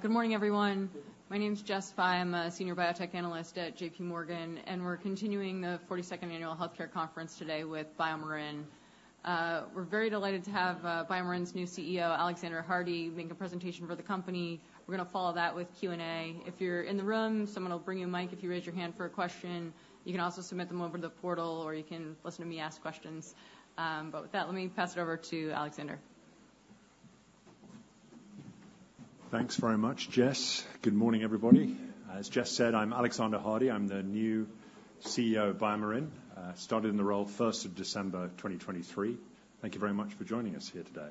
Good morning, everyone. My name is Jessica Fye. I'm a Senior Biotech Analyst at J.P. Morgan, and we're continuing the 42nd annual Healthcare Conference today with BioMarin. We're very delighted to have BioMarin's new CEO, Alexander Hardy, make a presentation for the company. We're gonna follow that with Q&A. If you're in the room, someone will bring you a mic if you raise your hand for a question. You can also submit them over to the portal, or you can listen to me ask questions. But with that, let me pass it over to Alexander. Thanks very much, Jess. Good morning, everybody. As Jess said, I'm Alexander Hardy. I'm the new CEO of BioMarin. I started in the role first of December 2023. Thank you very much for joining us here today.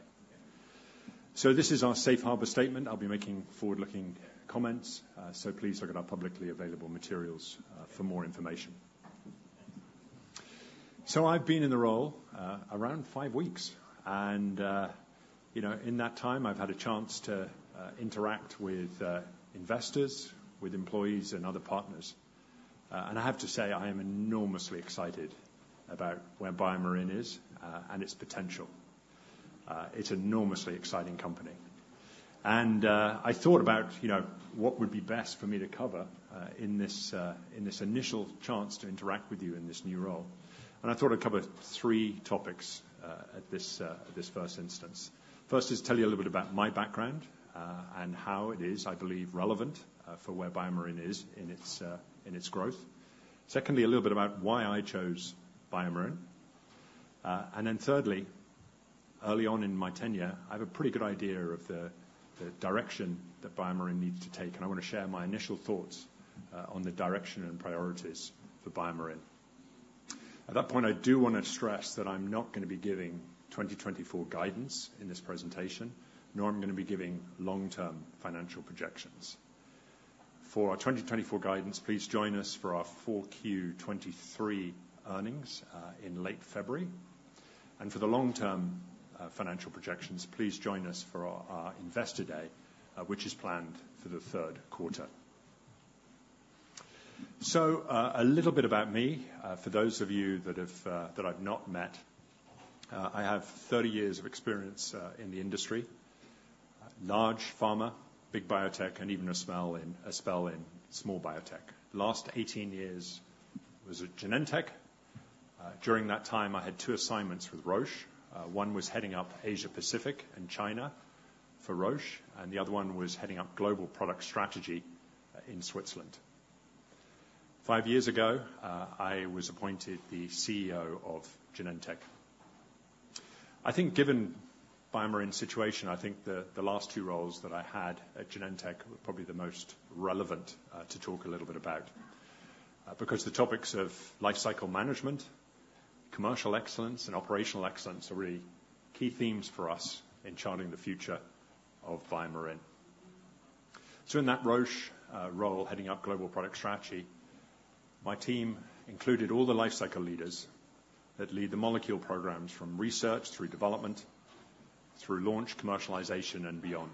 This is our Safe Harbor Statement. I'll be making forward-looking comments, so please look at our publicly available materials for more information. I've been in the role around five weeks, and you know, in that time, I've had a chance to interact with investors, with employees and other partners. And I have to say, I am enormously excited about where BioMarin is and its potential. It's an enormously exciting company. And I thought about, you know, what would be best for me to cover in this initial chance to interact with you in this new role. I thought I'd cover three topics at this first instance. First is tell you a little bit about my background and how it is, I believe, relevant for where BioMarin is in its growth. Secondly, a little bit about why I chose BioMarin. And then thirdly, early on in my tenure, I have a pretty good idea of the direction that BioMarin needs to take, and I want to share my initial thoughts on the direction and priorities for BioMarin. At that point, I do want to stress that I'm not going to be giving 2024 guidance in this presentation, nor I'm going to be giving long-term financial projections. For our 2024 guidance, please join us for our 4Q 2023 earnings in late February. For the long-term financial projections, please join us for our Investor Day, which is planned for the third quarter. A little bit about me, for those of you that I've not met. I have 30 years of experience in the industry, large pharma, big biotech, and even a spell in small biotech. Last 18 years was at Genentech. During that time, I had 2 assignments with Roche. One was heading up Asia Pacific and China for Roche, and the other one was heading up Global Product Strategy in Switzerland. 5 years ago, I was appointed the CEO of Genentech. I think given BioMarin's situation, I think the last two roles that I had at Genentech were probably the most relevant to talk a little bit about because the topics of lifecycle management, commercial excellence, and operational excellence are really key themes for us in charting the future of BioMarin. So in that Roche role, heading up Global Product Strategy, my team included all the lifecycle leaders that lead the molecule programs, from research through development, through launch, commercialization, and beyond.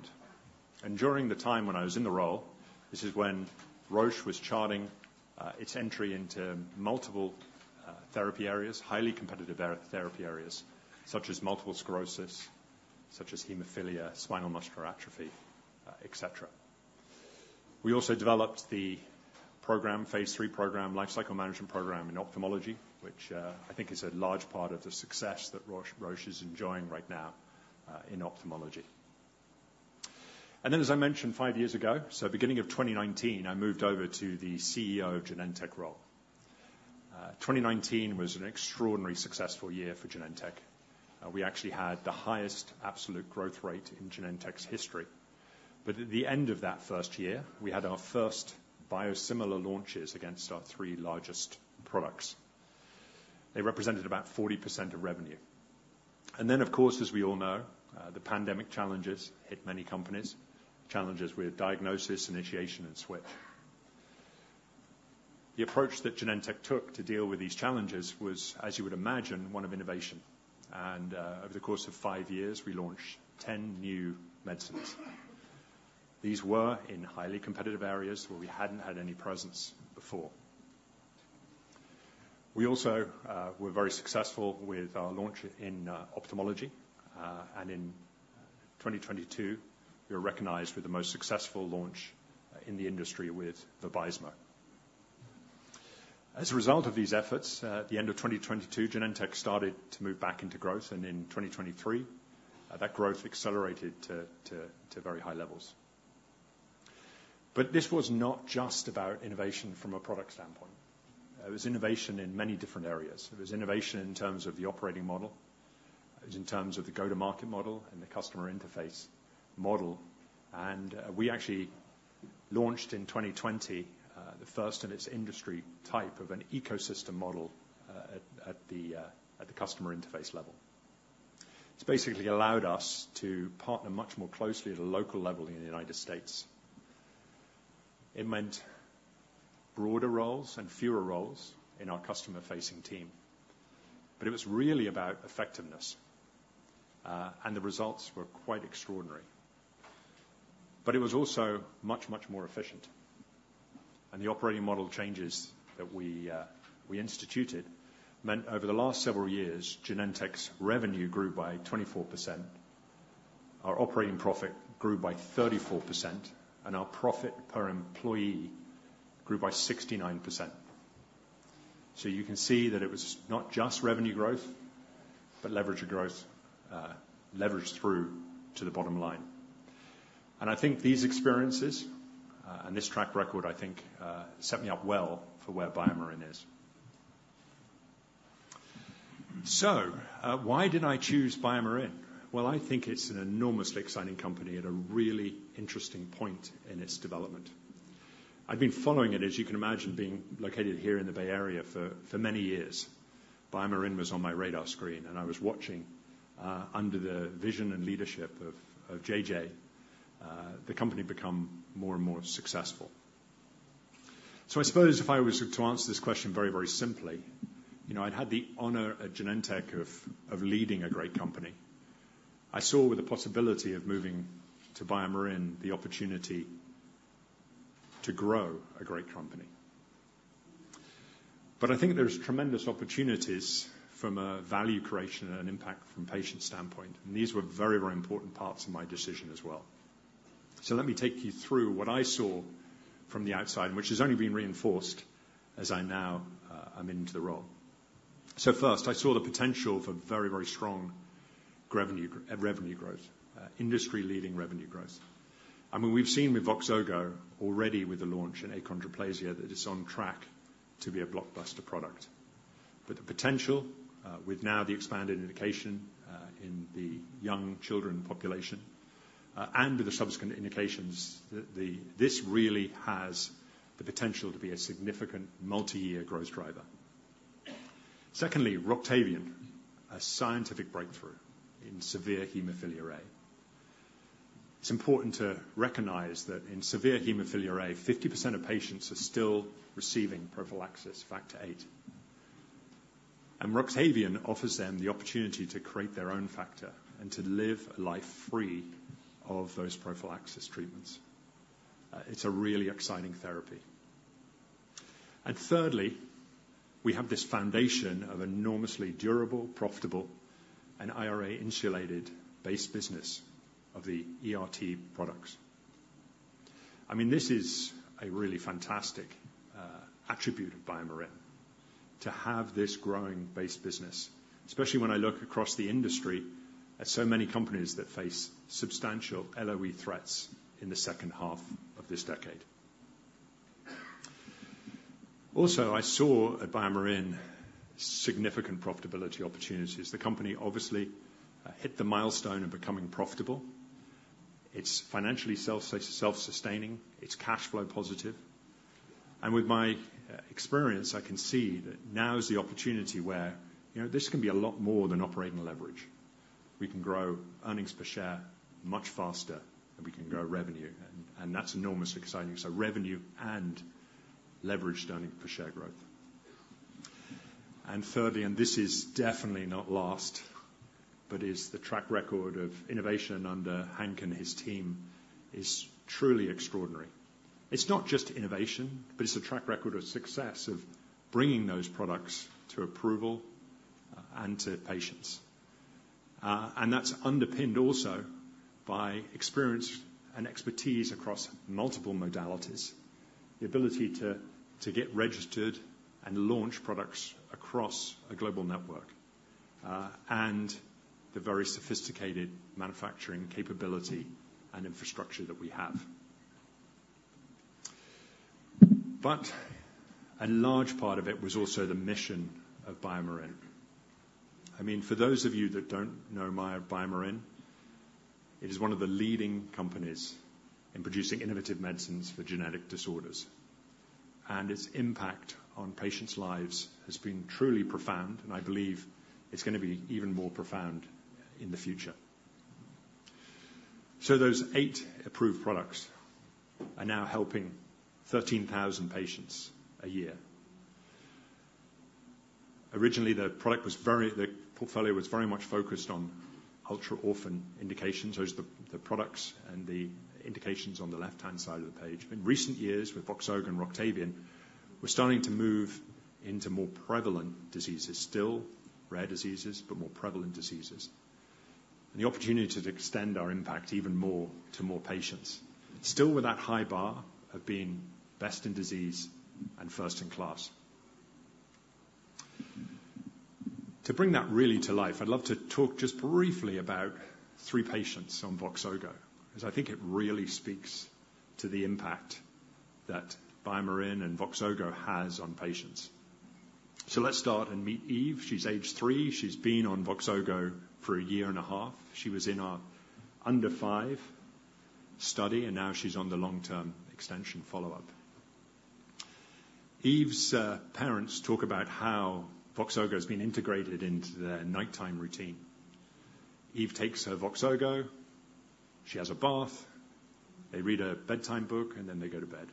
And during the time when I was in the role, this is when Roche was charting its entry into multiple therapy areas, highly competitive therapy areas, such as multiple sclerosis, such as hemophilia, spinal muscular atrophy, et cetera. We also developed the program, phase III program, Lifecycle Management Program in Ophthalmology, which, I think is a large part of the success that Roche, Roche is enjoying right now, in ophthalmology. Then, as I mentioned, five years ago, so beginning of 2019, I moved over to the CEO of Genentech role. 2019 was an extraordinary successful year for Genentech. We actually had the highest absolute growth rate in Genentech's history. But at the end of that first year, we had our first biosimilar launches against our three largest products. They represented about 40% of revenue. Then, of course, as we all know, the pandemic challenges hit many companies, challenges with diagnosis, initiation, and switch. The approach that Genentech took to deal with these challenges was, as you would imagine, one of innovation, and over the course of 5 years, we launched 10 new medicines. These were in highly competitive areas where we hadn't had any presence before. We also were very successful with our launch in ophthalmology. And in 2022, we were recognized with the most successful launch in the industry with Vabysmo. As a result of these efforts, at the end of 2022, Genentech started to move back into growth, and in 2023, that growth accelerated to very high levels. But this was not just about innovation from a product standpoint. It was innovation in many different areas. It was innovation in terms of the operating model, it was in terms of the go-to-market model and the customer interface model. We actually launched in 2020 the first in its industry type of an ecosystem model at the customer interface level. It's basically allowed us to partner much more closely at a local level in the United States. It meant broader roles and fewer roles in our customer-facing team, but it was really about effectiveness, and the results were quite extraordinary. But it was also much, much more efficient, and the operating model changes that we instituted meant over the last several years, Genentech's revenue grew by 24%, our operating profit grew by 34%, and our profit per employee grew by 69%. So you can see that it was not just revenue growth, but leverage of growth, leveraged through to the bottom line. I think these experiences and this track record, I think, set me up well for where BioMarin is. So, why did I choose BioMarin? Well, I think it's an enormously exciting company at a really interesting point in its development. I've been following it, as you can imagine, being located here in the Bay Area for many years. BioMarin was on my radar screen, and I was watching, under the vision and leadership of JJ, the company become more and more successful. So I suppose if I was to answer this question very, very simply, you know, I'd had the honor at Genentech of leading a great company. I saw with the possibility of moving to BioMarin, the opportunity to grow a great company. But I think there's tremendous opportunities from a value creation and an impact from patient standpoint, and these were very, very important parts of my decision as well. So let me take you through what I saw from the outside, and which has only been reinforced as I now am into the role. So first, I saw the potential for very, very strong revenue, revenue growth, industry-leading revenue growth. I mean, we've seen with Voxzogo already with the launch in achondroplasia, that it's on track to be a blockbuster product. But the potential with now the expanded indication in the young children population and with the subsequent indications, this really has the potential to be a significant multi-year growth driver. Secondly, Roctavian, a scientific breakthrough in severe hemophilia A. It's important to recognize that in severe hemophilia A, 50% of patients are still receiving prophylaxis Factor VIII. And Roctavian offers them the opportunity to create their own factor and to live a life free of those prophylaxis treatments. It's a really exciting therapy. And thirdly, we have this foundation of enormously durable, profitable, and IRA-insulated base business of the ERT products. I mean, this is a really fantastic attribute of BioMarin, to have this growing base business, especially when I look across the industry at so many companies that face substantial LOE threats in the second half of this decade. Also, I saw at BioMarin, significant profitability opportunities. The company obviously hit the milestone of becoming profitable. It's financially self-sustaining, it's cash flow positive, and with my experience, I can see that now is the opportunity where, you know, this can be a lot more than operating leverage. We can grow earnings per share much faster, and we can grow revenue, and that's enormously exciting. So revenue and leveraged earning per share growth. And thirdly, and this is definitely not last, but is the track record of innovation under Hank and his team is truly extraordinary. It's not just innovation, but it's a track record of success, of bringing those products to approval, and to patients. And that's underpinned also by experience and expertise across multiple modalities, the ability to get registered and launch products across a global network, and the very sophisticated manufacturing capability and infrastructure that we have. But a large part of it was also the mission of BioMarin. I mean, for those of you that don't know BioMarin, it is one of the leading companies in producing innovative medicines for genetic disorders, and its impact on patients' lives has been truly profound, and I believe it's gonna be even more profound in the future. So those 8 approved products are now helping 13,000 patients a year. Originally, the portfolio was very much focused on ultra-orphan indications. Those are the products and the indications on the left-hand side of the page. In recent years, with Voxzogo and Roctavian, we're starting to move into more prevalent diseases, still rare diseases, but more prevalent diseases. And the opportunity to extend our impact even more to more patients, still with that high bar of being best in disease and first in class. To bring that really to life, I'd love to talk just briefly about three patients on Voxzogo, as I think it really speaks to the impact that BioMarin and Voxzogo has on patients. So let's start and meet Eve. She's age 3. She's been on Voxzogo for a year and a half. She was in our under 5 study, and now she's on the long-term extension follow-up. Eve's parents talk about how Voxzogo has been integrated into their nighttime routine. Eve takes her Voxzogo, she has a bath, they read a bedtime book, and then they go to bed.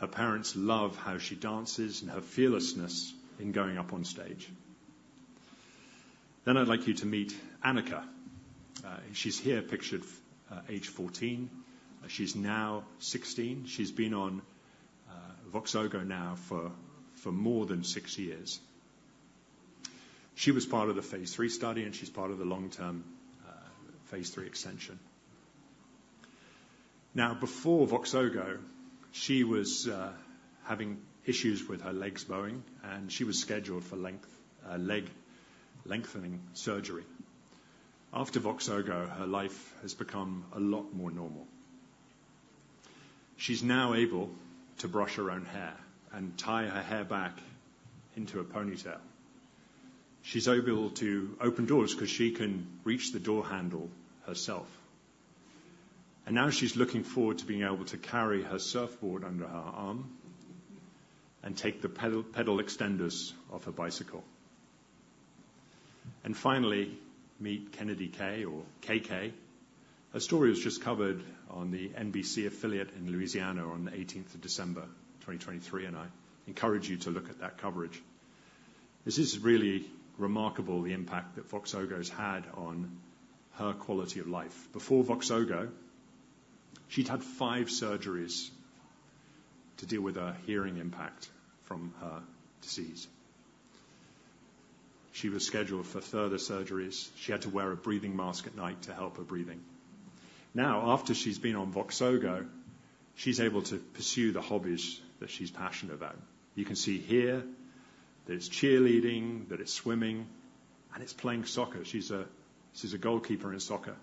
Her parents love how she dances and her fearlessness in going up on stage. Then I'd like you to meet Annika. She's here pictured, age 14. She's now 16. She's been on Voxzogo now for more than 6 years. She was part of the phase III study, and she's part of the long-term phase III extension. Now, before Voxzogo, she was having issues with her legs bowing, and she was scheduled for leg lengthening surgery. After Voxzogo, her life has become a lot more normal. She's now able to brush her own hair and tie her hair back into a ponytail. She's able to open doors 'cause she can reach the door handle herself, and now she's looking forward to being able to carry her surfboard under her arm and take the pedal extenders off her bicycle. And finally, meet Kennedy Kay or KK. Her story was just covered on the NBC affiliate in Louisiana on the 18th of December, 2023, and I encourage you to look at that coverage. This is really remarkable, the impact that Voxzogo has had on her quality of life. Before Voxzogo, she'd had five surgeries to deal with her hearing impact from her disease. She was scheduled for further surgeries. She had to wear a breathing mask at night to help her breathing. Now, after she's been on Voxzogo, she's able to pursue the hobbies that she's passionate about. You can see here that it's cheerleading, that it's swimming, and it's playing soccer. She's a goalkeeper in soccer,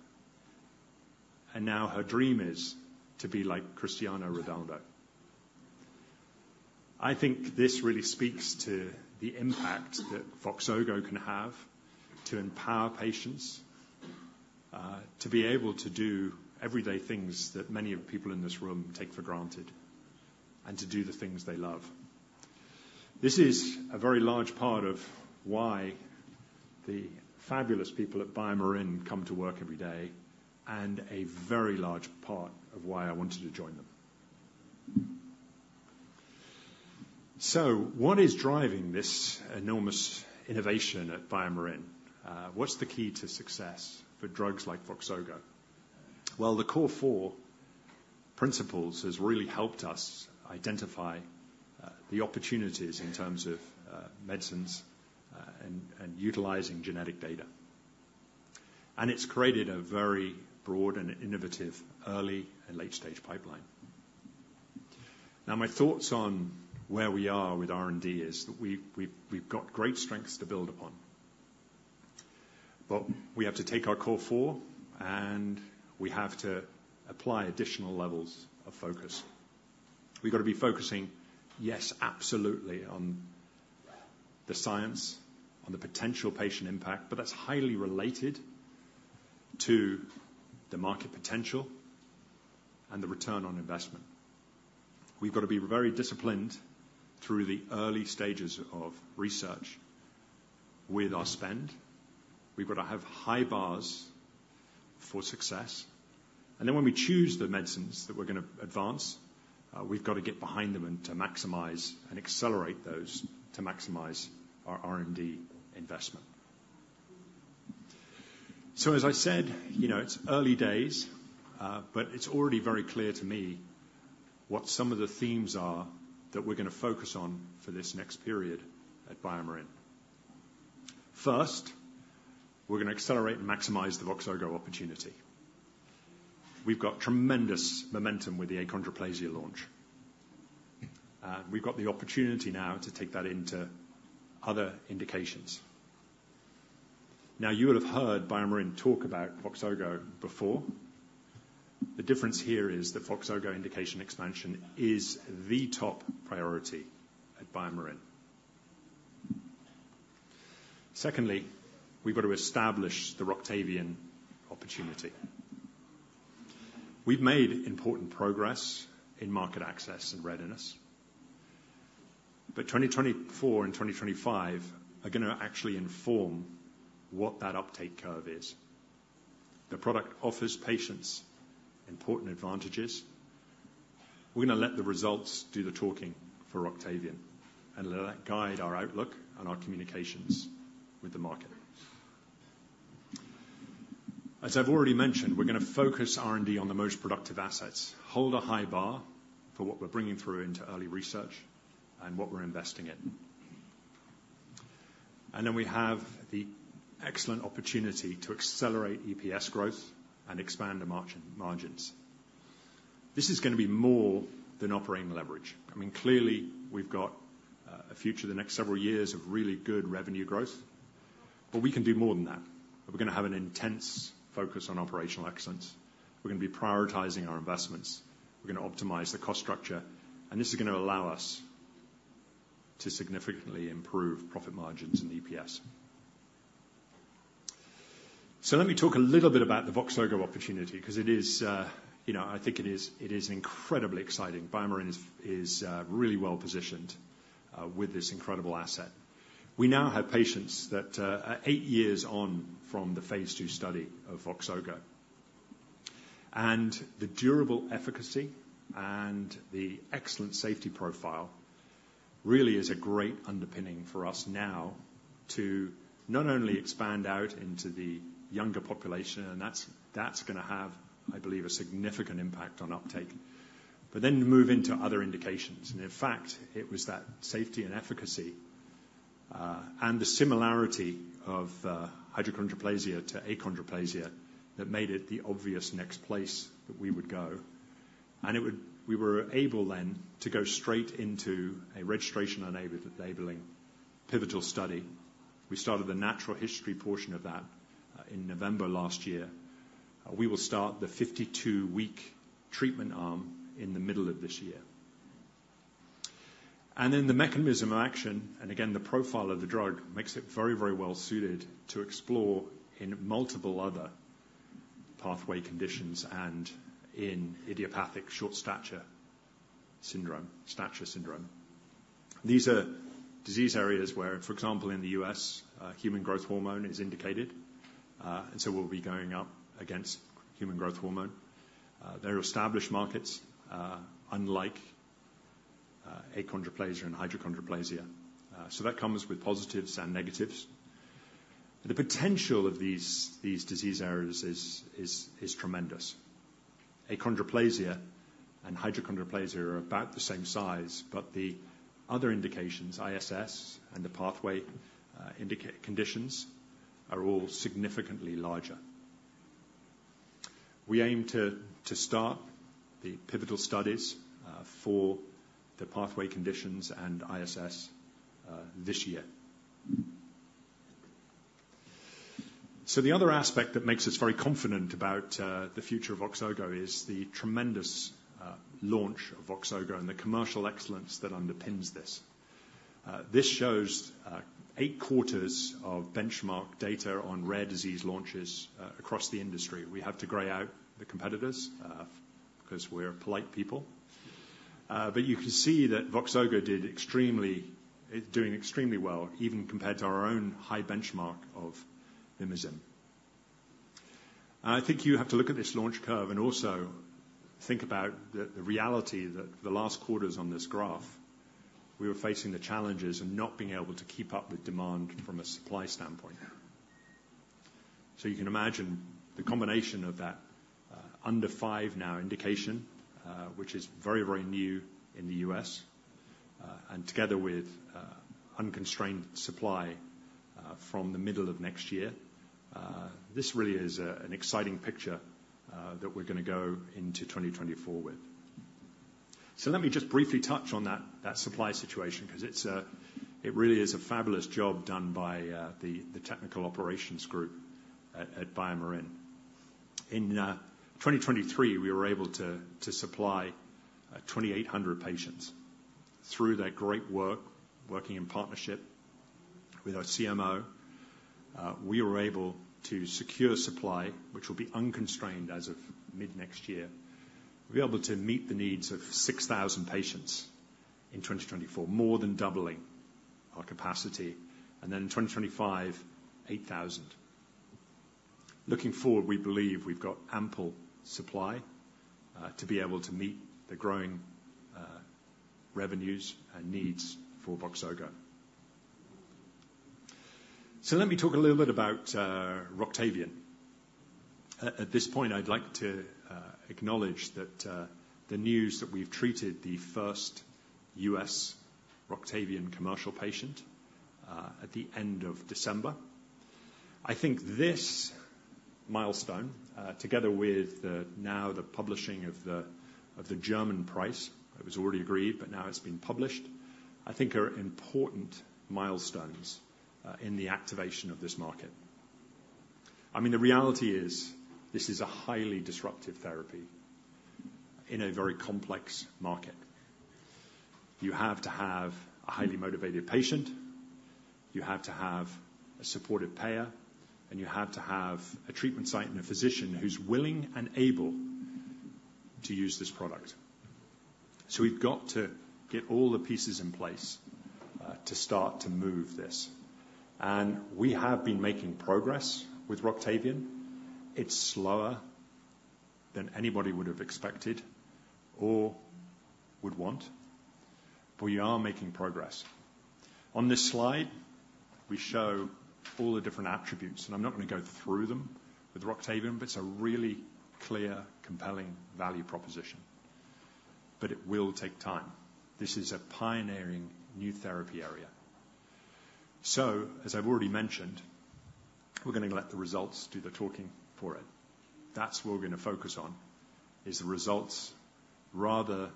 and now her dream is to be like Cristiano Ronaldo. I think this really speaks to the impact that Voxzogo can have to empower patients, to be able to do everyday things that many of the people in this room take for granted, and to do the things they love. This is a very large part of why the fabulous people at BioMarin come to work every day, and a very large part of why I wanted to join them. So what is driving this enormous innovation at BioMarin? What's the key to success for drugs like Voxzogo? Well, the Core Four principles has really helped us identify the opportunities in terms of medicines and utilizing genetic data. And it's created a very broad and innovative early and late-stage pipeline. Now, my thoughts on where we are with R&D is that we've got great strengths to build upon, but we have to take our Core Four, and we have to apply additional levels of focus. We've got to be focusing, yes, absolutely, on the science, on the potential patient impact, but that's highly related to the market potential and the return on investment. We've got to be very disciplined through the early stages of research with our spend. We've got to have high bars for success, and then when we choose the medicines that we're gonna advance, we've got to get behind them and to maximize and accelerate those to maximize our R&D investment. So, as I said, you know, it's early days, but it's already very clear to me what some of the themes are that we're gonna focus on for this next period at BioMarin. First, we're gonna accelerate and maximize the Voxzogo opportunity. We've got tremendous momentum with the achondroplasia launch. We've got the opportunity now to take that into other indications. Now, you will have heard BioMarin talk about Voxzogo before. The difference here is that Voxzogo indication expansion is the top priority at BioMarin. Secondly, we've got to establish the Roctavian opportunity. We've made important progress in market access and readiness, but 2024 and 2025 are gonna actually inform what that uptake curve is. The product offers patients important advantages. We're gonna let the results do the talking for Roctavian and let that guide our outlook and our communications with the market. As I've already mentioned, we're gonna focus R&D on the most productive assets, hold a high bar for what we're bringing through into early research and what we're investing in. And then we have the excellent opportunity to accelerate EPS growth and expand the margins. This is gonna be more than operating leverage. I mean, clearly, we've got a future, the next several years of really good revenue growth, but we can do more than that. We're gonna have an intense focus on operational excellence. We're gonna be prioritizing our investments. We're gonna optimize the cost structure, and this is gonna allow us to significantly improve profit margins and EPS. So let me talk a little bit about the Voxzogo opportunity, 'cause it is, you know, I think it is, it is incredibly exciting. BioMarin is, is, really well-positioned, with this incredible asset. We now have patients that are eight years on from the phase II study of Voxzogo. And the durable efficacy and the excellent safety profile really is a great underpinning for us now to not only expand out into the younger population, and that's, that's going to have, I believe, a significant impact on uptake, but then move into other indications. And in fact, it was that safety and efficacy, and the similarity of, achondroplasia to achondroplasia that made it the obvious next place that we would go. We were able then to go straight into a registration-enabled labeling pivotal study. We started the natural history portion of that in November last year. We will start the 52-week treatment arm in the middle of this year. And then the mechanism of action, and again, the profile of the drug, makes it very, very well suited to explore in multiple other pathway conditions and in idiopathic short stature syndrome—stature syndrome. These are disease areas where, for example, in the U.S., human growth hormone is indicated, and so we'll be going up against human growth hormone. They're established markets, unlike achondroplasia and hypochondroplasia. So that comes with positives and negatives. The potential of these disease areas is tremendous. Achondroplasia and hypochondroplasia are about the same size, but the other indications, ISS and the pathway indications, are all significantly larger. We aim to start the pivotal studies for the pathway conditions and ISS this year. So the other aspect that makes us very confident about the future of Voxzogo is the tremendous launch of Voxzogo and the commercial excellence that underpins this. This shows 8 quarters of benchmark data on rare disease launches across the industry. We have to gray out the competitors, 'cause we're a polite people. But you can see that Voxzogo did extremely—it's doing extremely well, even compared to our own high benchmark of Vimizim. And I think you have to look at this launch curve and also think about the reality that the last quarters on this graph, we were facing the challenges of not being able to keep up with demand from a supply standpoint. So you can imagine the combination of that, under 5 now indication, which is very, very new in the U.S., and together with unconstrained supply from the middle of next year, this really is an exciting picture that we're going to go into 2024 with. So let me just briefly touch on that supply situation, 'cause it's a fabulous job done by the technical operations group at BioMarin. In 2023, we were able to supply 2,800 patients. Through their great work, working in partnership with our CMO, we were able to secure supply, which will be unconstrained as of mid-next year. We'll be able to meet the needs of 6,000 patients in 2024, more than doubling our capacity, and then in 2025, 8,000. Looking forward, we believe we've got ample supply to be able to meet the growing revenues and needs for Voxzogo. So let me talk a little bit about Roctavian. At this point, I'd like to acknowledge that the news that we've treated the first U.S. Roctavian commercial patient at the end of December. I think this milestone together with the now the publishing of the German price, it was already agreed, but now it's been published, I think are important milestones in the activation of this market. I mean, the reality is, this is a highly disruptive therapy in a very complex market. You have to have a highly motivated patient, you have to have a supportive payer, and you have to have a treatment site and a physician who's willing and able to use this product. So we've got to get all the pieces in place, to start to move this. And we have been making progress with Roctavian. It's slower than anybody would have expected or would want, but we are making progress. On this slide, we show all the different attributes, and I'm not going to go through them with Roctavian, but it's a really clear, compelling value proposition. But it will take time. This is a pioneering new therapy area. So, as I've already mentioned, we're going to let the results do the talking for it. That's what we're going to focus on, is the results, rather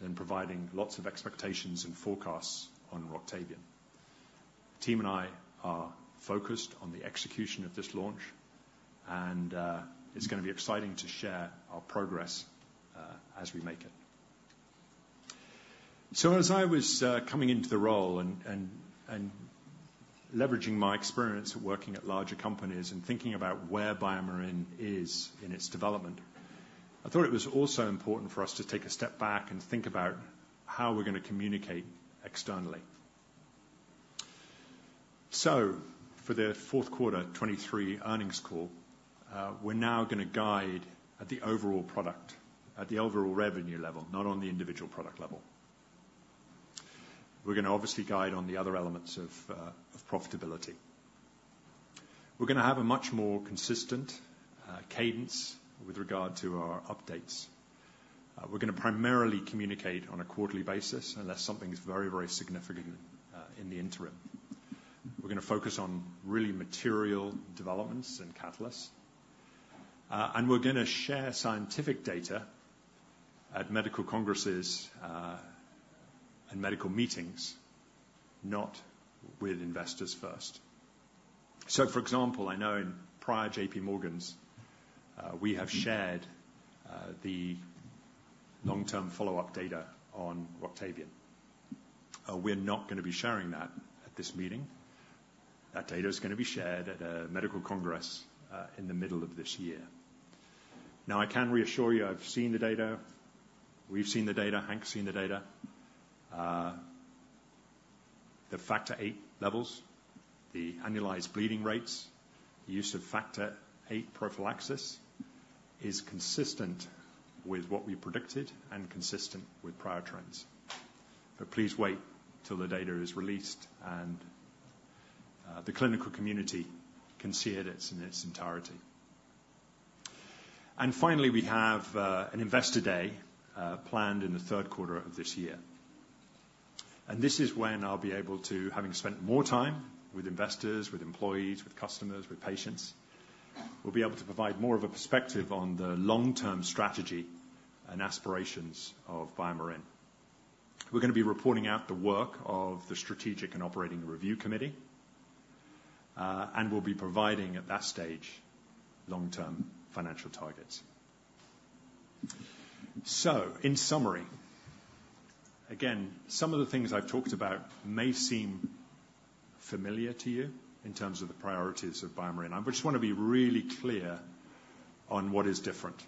than providing lots of expectations and forecasts on Roctavian. The team and I are focused on the execution of this launch, and it's going to be exciting to share our progress as we make it. So as I was coming into the role and leveraging my experience working at larger companies and thinking about where BioMarin is in its development, I thought it was also important for us to take a step back and think about how we're going to communicate externally. So for the fourth quarter 2023 earnings call, we're now gonna guide at the overall product, at the overall revenue level, not on the individual product level. We're gonna obviously guide on the other elements of profitability. We're gonna have a much more consistent cadence with regard to our updates. We're gonna primarily communicate on a quarterly basis, unless something is very, very significant in the interim. We're gonna focus on really material developments and catalysts. And we're gonna share scientific data at medical congresses and medical meetings, not with investors first. So, for example, I know in prior J.P. Morgans, we have shared the long-term follow-up data on Roctavian. We're not gonna be sharing that at this meeting. That data is gonna be shared at a medical congress in the middle of this year. Now, I can reassure you, I've seen the data. We've seen the data. Hank's seen the data. The Factor VIII levels, the annualized bleeding rates, use of Factor VIII prophylaxis, is consistent with what we predicted and consistent with prior trends. But please wait till the data is released, and the clinical community can see it in its entirety. And finally, we have an investor day planned in the third quarter of this year. And this is when I'll be able to, having spent more time with investors, with employees, with customers, with patients, we'll be able to provide more of a perspective on the long-term strategy and aspirations of BioMarin. We're gonna be reporting out the work of the Strategic and Operating Review Committee, and we'll be providing, at that stage, long-term financial targets. So in summary, again, some of the things I've talked about may seem familiar to you in terms of the priorities of BioMarin. I just wanna be really clear on what is different.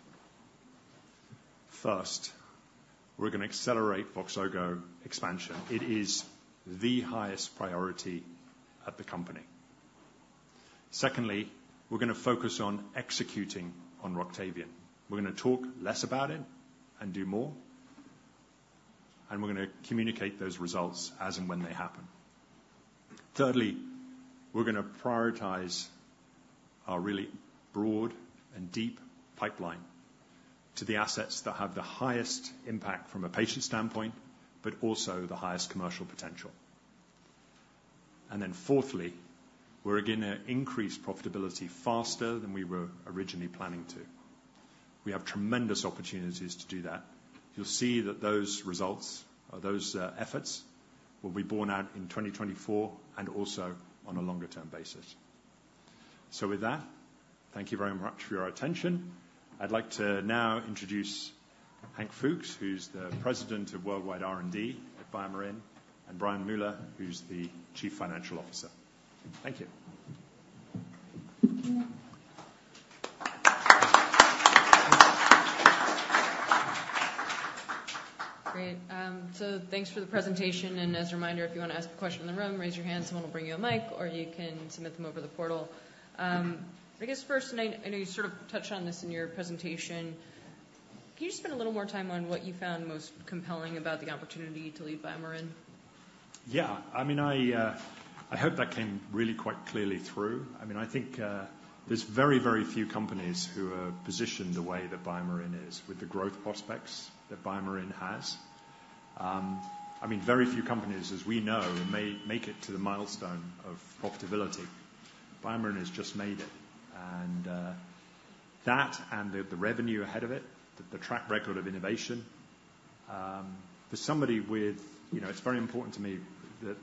First, we're gonna accelerate Voxzogo expansion. It is the highest priority at the company. Secondly, we're gonna focus on executing on Roctavian. We're gonna talk less about it and do more, and we're gonna communicate those results as and when they happen. Thirdly, we're gonna prioritize our really broad and deep pipeline to the assets that have the highest impact from a patient standpoint, but also the highest commercial potential. And then fourthly, we're gonna increase profitability faster than we were originally planning to. We have tremendous opportunities to do that. You'll see that those results or those efforts will be borne out in 2024 and also on a longer-term basis. So with that, thank you very much for your attention. I'd like to now introduce Hank Fuchs, who's the President of Worldwide R&D at BioMarin, and Brian Mueller, who's the Chief Financial Officer. Thank you. Great. So thanks for the presentation, and as a reminder, if you wanna ask a question in the room, raise your hand, someone will bring you a mic, or you can submit them over the portal. I guess first, and I know you sort of touched on this in your presentation, can you just spend a little more time on what you found most compelling about the opportunity to lead BioMarin? Yeah. I mean, I hope that came really quite clearly through. I mean, I think, there's very, very few companies who are positioned the way that BioMarin is, with the growth prospects that BioMarin has. I mean, very few companies, as we know, may make it to the milestone of profitability. BioMarin has just made it, and that and the revenue ahead of it, the track record of innovation. For somebody with, you know, it's very important to me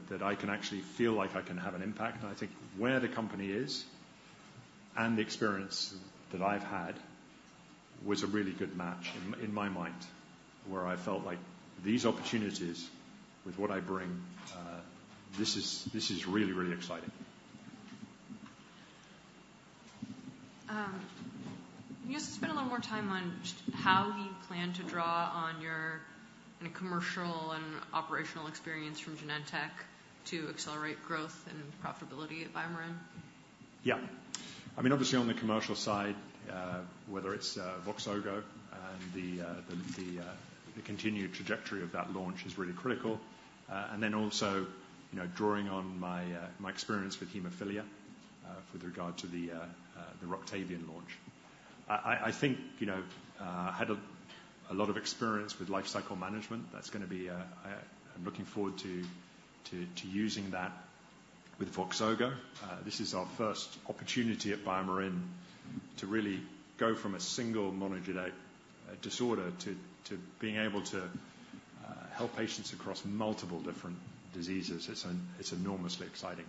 that I can actually feel like I can have an impact, and I think where the company is and the experience that I've had was a really good match in my mind, where I felt like these opportunities, with what I bring, this is really, really exciting. Can you just spend a little more time on just how you plan to draw on your international commercial and operational experience from Genentech to accelerate growth and profitability at BioMarin? Yeah. I mean, obviously on the commercial side, whether it's Voxzogo and the continued trajectory of that launch is really critical. And then also, you know, drawing on my experience with hemophilia, with regard to the Roctavian launch. I think, you know, I had a lot of experience with lifecycle management. That's gonna be, I'm looking forward to using that with Voxzogo. This is our first opportunity at BioMarin to really go from a single monogenic disorder to being able to help patients across multiple different diseases. It's enormously exciting.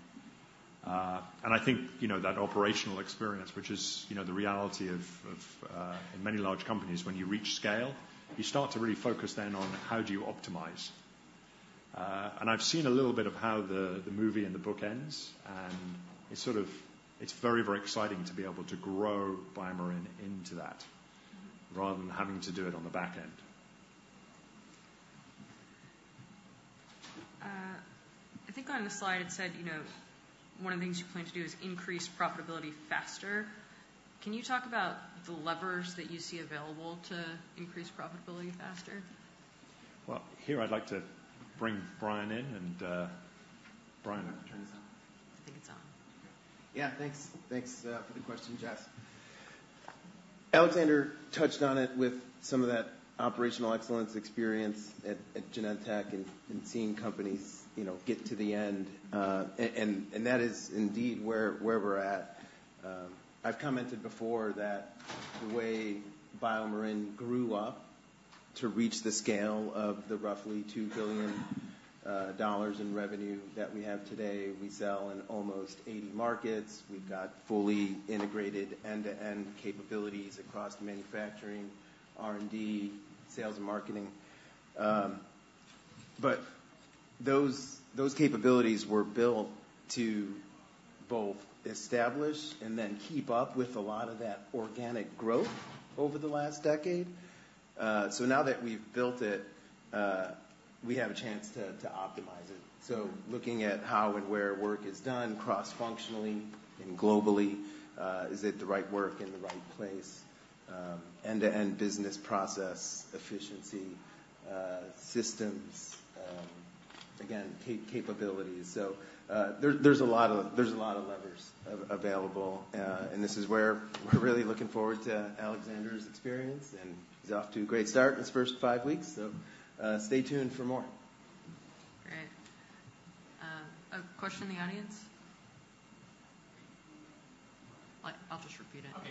I think, you know, that operational experience, which is, you know, the reality of in many large companies, when you reach scale, you start to really focus then on how do you optimize? And I've seen a little bit of how the movie and the book ends, and it's sort of, it's very, very exciting to be able to grow BioMarin into that rather than having to do it on the back end. I think on the slide, it said, you know, one of the things you plan to do is increase profitability faster. Can you talk about the levers that you see available to increase profitability faster? Well, here I'd like to bring Brian in, and, Brian? Do you want me to turn this on? I think it's on. Yeah, thanks. Thanks for the question, Jess. Alexander touched on it with some of that operational excellence experience at Genentech and seeing companies, you know, get to the end. And that is indeed where we're at. I've commented before that the way BioMarin grew up to reach the scale of the roughly $2 billion in revenue that we have today, we sell in almost 80 markets. We've got fully integrated end-to-end capabilities across manufacturing, R&D, sales, and marketing. But those capabilities were built to both establish and then keep up with a lot of that organic growth over the last decade. So now that we've built it, we have a chance to optimize it. So looking at how and where work is done cross-functionally and globally, is it the right work in the right place? End-to-end business process efficiency, systems, again, capabilities. So, there's a lot of levers available, and this is where we're really looking forward to Alexander's experience, and he's off to a great start in his first five weeks, so, stay tuned for more. Great. A question in the audience? I'll just repeat it. Okay.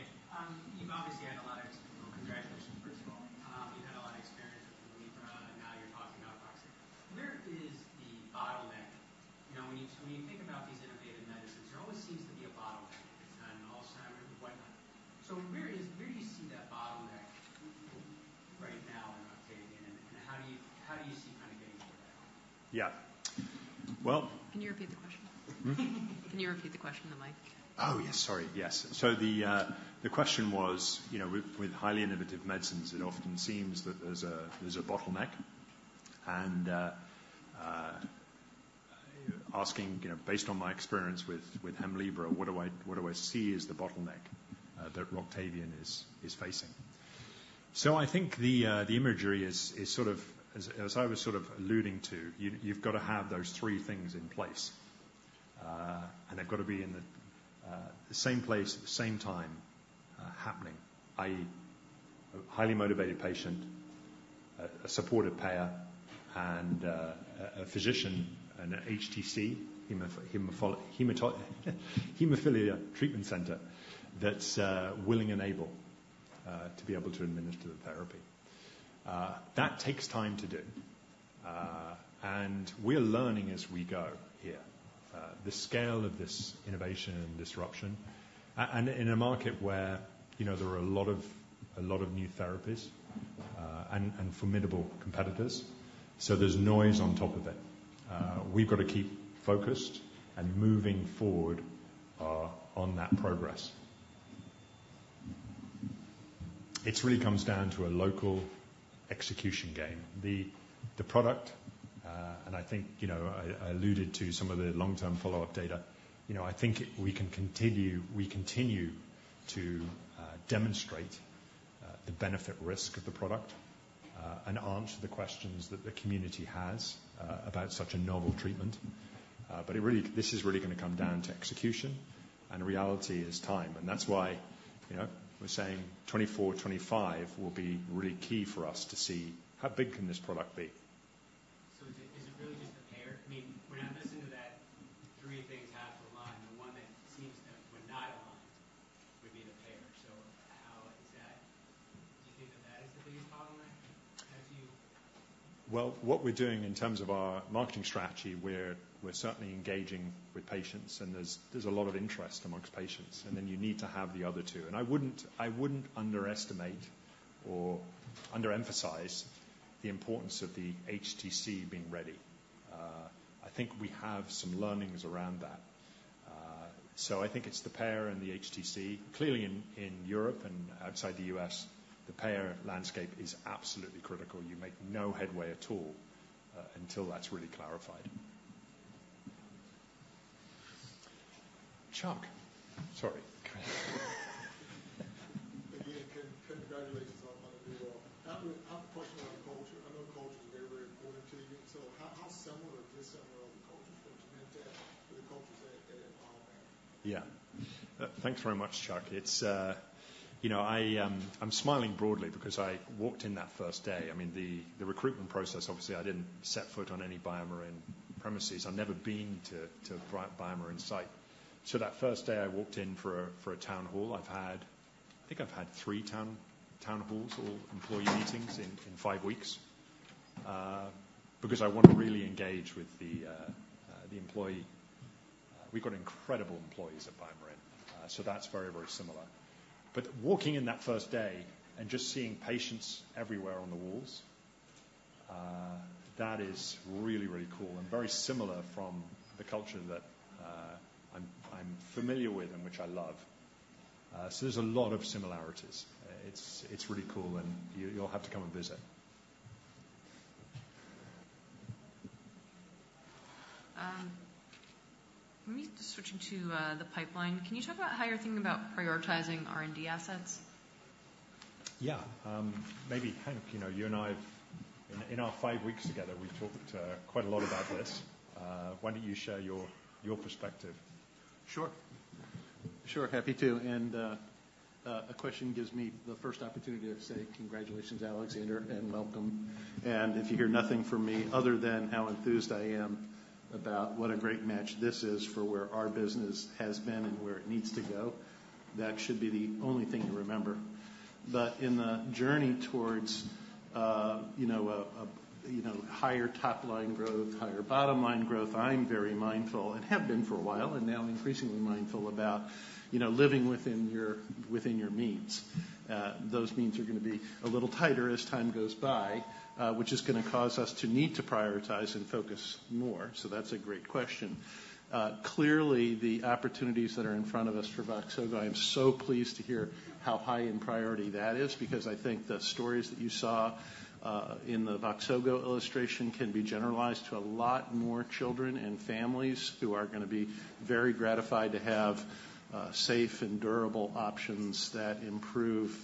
You've obviously had a lot of, Congratulations, first of all. You've had a lot of experience with Hemlibra, and now you're talking about Roctavian. Where is the bottleneck? You know, when you, when you think about these innovative medicines, there always seems to be a bottleneck. It's on Alzheimer's, whatnot. So where is - where do you see that bottleneck right now in Roctavian, and, and how do you, how do you see kinda getting through that? Yeah. Well. Can you repeat the question? Hmm? Can you repeat the question in the mic? Oh, yes. Sorry. Yes. So the question was, you know, with highly innovative medicines, it often seems that there's a bottleneck. And asking, you know, based on my experience with Hemlibra, what do I see as the bottleneck that Roctavian is facing? So I think the imagery is sort of as I was sort of alluding to, you've got to have those three things in place. And they've got to be in the same place, at the same time, happening, i.e., a highly motivated patient, a supportive payer, and a physician and an HTC, hemophilia treatment center that's willing and able to be able to administer the therapy. That takes time to do. And we're learning as we go here. The scale of this innovation and disruption and in a market where, you know, there are a lot of, a lot of new therapies, and formidable competitors, so there's noise on top of it. We've got to keep focused and moving forward on that progress. It really comes down to a local execution game. The product, and I think, you know, I, I alluded to some of the long-term follow-up data. You know, I think we can continue. We continue to demonstrate the benefit-risk of the product, and answer the questions that the community has about such a novel treatment. But it really, this is really gonna come down to execution, and the reality is time, and that's why, you know, we're saying 2024, 2025 will be really key for us to see how big can this product be. So is it, is it really just the payer? I mean, when I listen to that, three things have to align. The one that seems to were not aligned would be the payer. So how is that, do you think that that is the biggest bottleneck as you Well, what we're doing in terms of our marketing strategy, we're certainly engaging with patients, and there's a lot of interest among patients, and then you need to have the other two. And I wouldn't underestimate or underemphasize the importance of the HTC being ready. I think we have some learnings around that. So I think it's the payer and the HTC. Clearly, in Europe and outside the U.S., the payer landscape is absolutely critical. You make no headway at all until that's really clarified. Chuck? Sorry. Again, congratulations on the new role. How personal is culture? I know culture is very, very important to you. So how similar or dissimilar are the cultures from Genentech to the cultures at BioMarin? Yeah. Thanks very much, Chuck. It's, you know, I, I'm smiling broadly because I walked in that first day. I mean, the recruitment process, obviously, I didn't set foot on any BioMarin premises. I've never been to BioMarin site. So that first day I walked in for a town hall. I've had, I think I've had three town halls or employee meetings in five weeks, because I want to really engage with the employee. We've got incredible employees at BioMarin, so that's very, very similar. But walking in that first day and just seeing patients everywhere on the walls, that is really, really cool and very similar from the culture that I'm familiar with and which I love. So there's a lot of similarities. It's really cool, and you'll have to come and visit. Let me just switch to the pipeline. Can you talk about how you're thinking about prioritizing R&D assets? Yeah. Maybe, Hank, you know, you and I've in our five weeks together, we've talked quite a lot about this. Why don't you share your perspective? Sure. Sure, happy to. And, a question gives me the first opportunity to say congratulations, Alexander, and welcome. And if you hear nothing from me other than how enthused I am about what a great match this is for where our business has been and where it needs to go, that should be the only thing you remember. But in the journey towards, you know, a, you know, higher top-line growth, higher bottom-line growth, I'm very mindful and have been for a while, and now increasingly mindful about, you know, living within your, within your means. Those means are gonna be a little tighter as time goes by, which is gonna cause us to need to prioritize and focus more, so that's a great question. Clearly, the opportunities that are in front of us for Voxzogo, I am so pleased to hear how high in priority that is because I think the stories that you saw in the Voxzogo illustration can be generalized to a lot more children and families who are gonna be very gratified to have safe and durable options that improve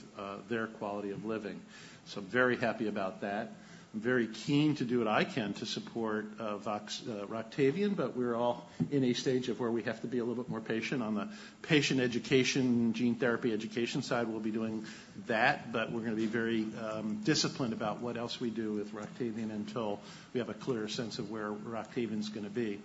their quality of living. So I'm very happy about that. I'm very keen to do what I can to support Voxzogo Roctavian, but we're all in a stage of where we have to be a little bit more patient. On the patient education, gene therapy education side, we'll be doing that, but we're gonna be very disciplined about what else we do with Roctavian until we have a clearer sense of where Roctavian's gonna be.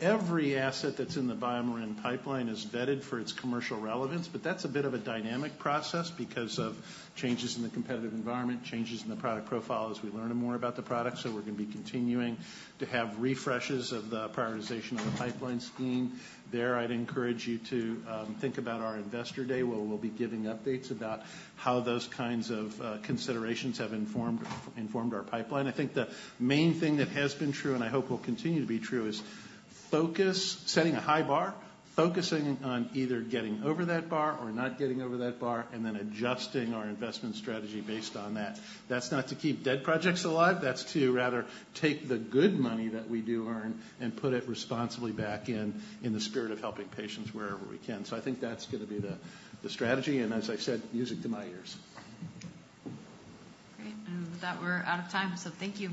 Every asset that's in the BioMarin pipeline is vetted for its commercial relevance, but that's a bit of a dynamic process because of changes in the competitive environment, changes in the product profile as we learn more about the product, so we're gonna be continuing to have refreshes of the prioritization of the pipeline scheme. There, I'd encourage you to think about our Investor Day, where we'll be giving updates about how those kinds of considerations have informed our pipeline. I think the main thing that has been true, and I hope will continue to be true, is focus, setting a high bar, focusing on either getting over that bar or not getting over that bar, and then adjusting our investment strategy based on that. That's not to keep dead projects alive. That's to rather take the good money that we do earn and put it responsibly back in, in the spirit of helping patients wherever we can. So I think that's gonna be the strategy, and as I said, music to my ears. Great. With that, we're out of time, so thank you.